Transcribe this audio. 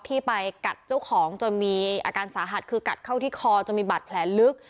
ที่ไปกัดเจ้าของจนมีอาการสาหัสคือกัดเข้าที่คอจนมีบัตรแผลลึก